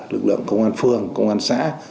lực lượng công an phường công an xã